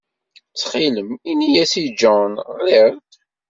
Ttxil-m, ini-as i John ɣriɣ-d.